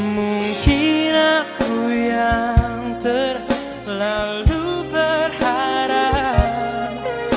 mungkin aku yang terlalu berharap